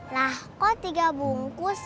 lah kok tiga bungkus